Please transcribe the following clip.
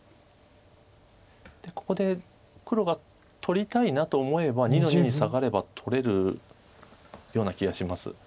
ここで黒が取りたいなと思えば２の二にサガれば取れるような気がします。